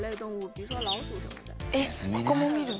えっここも見るの？